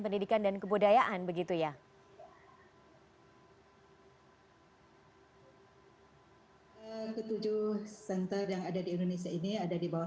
pendidikan dan kebudayaan begitu ya ketujuh center yang ada di indonesia ini ada di bawah